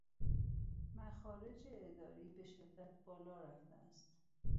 مخارج اداری به شدت بالا رفته است